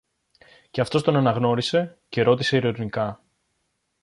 Και αυτός τον αναγνώρισε, και ρώτησε ειρωνικά